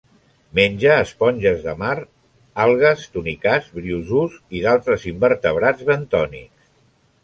Menja esponges de mar, algues, tunicats, briozous i d'altres invertebrats bentònics.